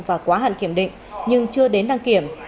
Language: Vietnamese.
và quá hạn kiểm định nhưng chưa đến đăng kiểm